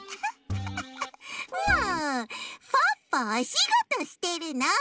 もうポッポおしごとしてるの！